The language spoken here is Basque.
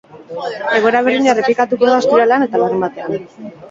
Egoera berdina errepikatuko da ostiralean eta larunbatean.